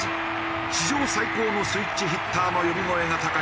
史上最高のスイッチヒッターの呼び声が高い